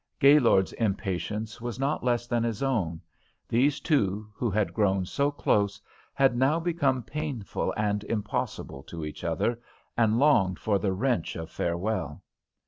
Gaylord's impatience was not less than his own; these two, who had grown so close, had now become painful and impossible to each other, and longed for the wrench of farewell.